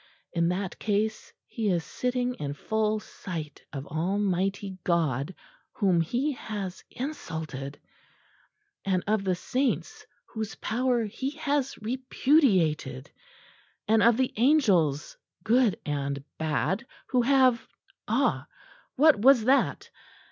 In that case he is sitting in full sight of Almighty God, whom he has insulted; and of the saints whose power he has repudiated; and of the angels good and bad who have Ah! what was that?